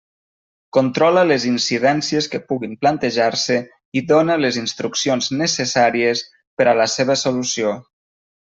Controla les incidències que puguin plantejar-se i dóna les instruccions necessàries per a la seva solució.